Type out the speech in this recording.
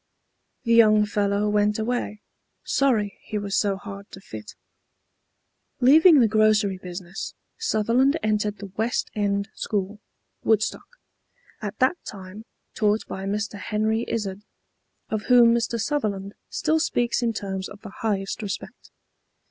The young fellow went away, sorry he was so hard to fit. Leaving the grocery business, Sutherland entered the West End School, Woodstock, at that time taught by Mr. Henry Izard, of whom Mr. Sutherland still speaks in terms of the highest respect.